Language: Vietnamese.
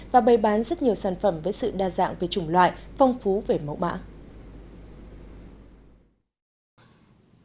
và bày bán rất nhiều sản phẩm với sự đa dạng về chủng loại phong phú về mẫu mã